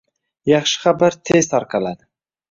Yaxshi xabar tez tarqaladi